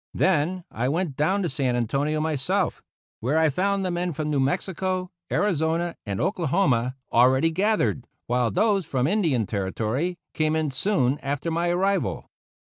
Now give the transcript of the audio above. Then I went down to San Antonio myself, where I found the men from New Mexico, Arizona, and Oklahoma already gathered, while those from Indian Territory came in soon after my arrival.